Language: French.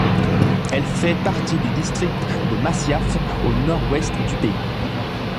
Elle fait partie du district de Masyaf au nord-ouest du pays.